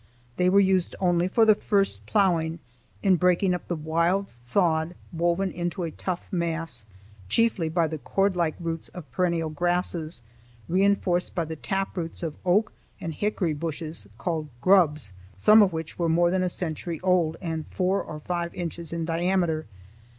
They were used only for the first ploughing, in breaking up the wild sod woven into a tough mass, chiefly by the cordlike roots of perennial grasses, reinforced by the tap roots of oak and hickory bushes, called "grubs," some of which were more than a century old and four or five inches in diameter.